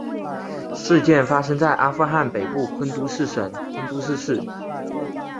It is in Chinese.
事件发生在阿富汗北部昆都士省昆都士市。